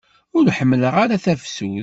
Ur ḥemmleɣ ara tafsut.